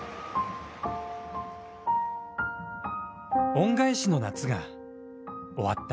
恩返しの夏が終わった。